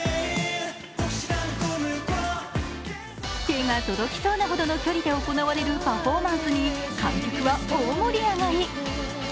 手が届きそうなほどの距離で行われるパフォーマンスに観客は大盛り上がり。